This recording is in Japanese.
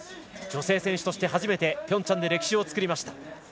女性選手として初めてピョンチャンで歴史を作りました。